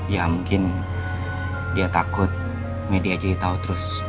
ya mungkin dia takut media jadi tahu terus